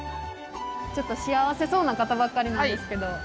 ちょっと幸せそうな方ばっかりなんですけど。